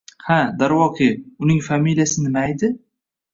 Ha, darvoqe, uning familiyasi nimaydi.